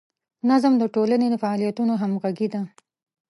نظم د ټولنې د فعالیتونو همغږي ده.